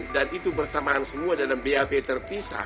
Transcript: dan itu bersamaan semua dalam bap terpisah